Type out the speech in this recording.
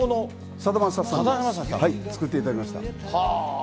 さだまさしさんに作っていただきました。